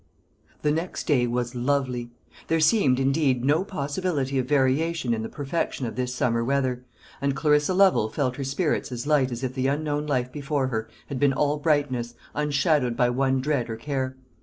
The next day was lovely. There seemed, indeed, no possibility of variation in the perfection of this summer weather; and Clarissa Lovel felt her spirits as light as if the unknown life before her had been all brightness, unshadowed by one dread or care.